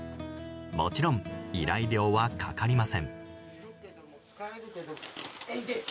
もちろん依頼料はかかりません。